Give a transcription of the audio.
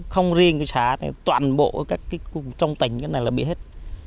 không riêng xã này toàn bộ trong tỉnh này là bị hết